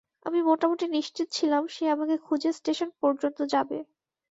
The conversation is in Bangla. আমি মোটামুটি নিশ্চিত ছিলাম সে আমাকে খুঁজে স্টেশন পর্যন্ত যাবে।